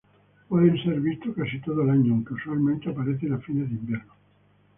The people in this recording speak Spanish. Pueden ser visto casi todo el año, aunque usualmente, aparecen a fines de invierno.